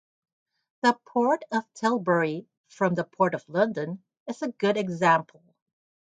The Port of Tilbury from the Port of London is a good example.